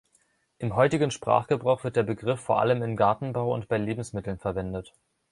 Im heutigen Sprachgebrauch wird der Begriff vor allem im Gartenbau und bei Lebensmitteln verwendet.